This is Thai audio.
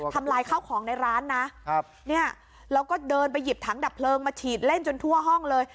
ลายข้าวของในร้านนะครับเนี่ยแล้วก็เดินไปหยิบถังดับเพลิงมาฉีดเล่นจนทั่วห้องเลย